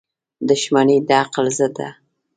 • دښمني د عقل ضد ده.